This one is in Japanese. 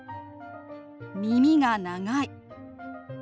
「耳が長い」。